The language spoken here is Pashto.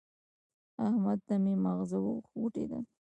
احمد ته مې ماغزه وخوټېدل.